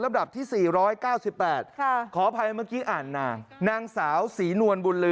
ตอนนี้กำลังนั่งแผนอยู่